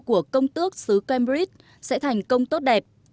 của công tước xứ cambridge sẽ thành công tốt đẹp